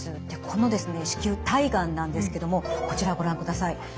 このですね子宮体がんなんですけどもこちらをご覧ください。